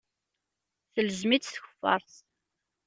Telzem-itt tkeffart.